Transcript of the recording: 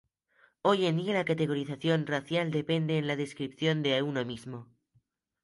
Hoy en día, la categorización racial depende en la descripción de uno mismo.